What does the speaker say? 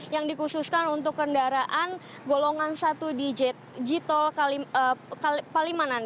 yang dikhususkan untuk kendaraan golongan satu di tol palimanan